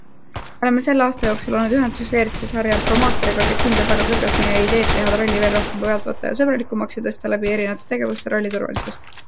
Me oleme selle aasta jooksul olnud ühenduses WRC sarja promootoriga, kes hindab väga kõrgelt meie ideed, teha ralli veel rohkem pealtvaatajasõbralikumaks ja tõsta läbi erinevate tegevuste ralli turvalisust.